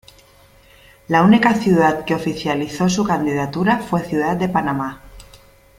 La única ciudad que oficializó su candidatura fue Ciudad de Panamá.